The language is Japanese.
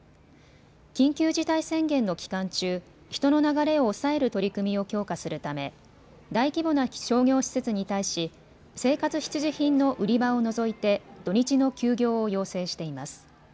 緊急事態宣言の期間中、人の流れを抑える取り組みを強化するため大規模な商業施設に対し生活必需品の売り場を除いて土日の休業を要請しています。